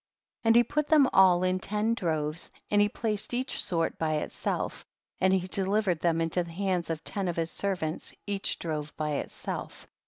43. And he put them all in ten droves, and he placed each sort by itself, and he delivered them into the hands of ten of his servants, each drove by itself.